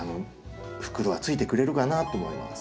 袋はついてくれるかなと思います。